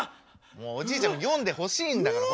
おじいちゃんも読んでほしいんだから。